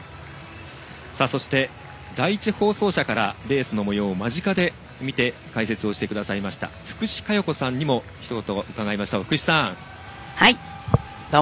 そして第１放送車からレースのもようを間近で見て解説をしてくださいました福士加代子さんにもひと言もらいましょう。